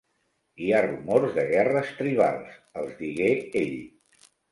"Hi ha rumors de guerres tribals", els digué ell.